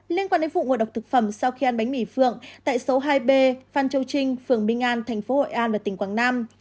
liên quan đến vụ ngộ độc thực phẩm sau khi ăn bánh mì phượng tại số hai b phan châu trinh phường minh an thành phố hội an ở tỉnh quảng nam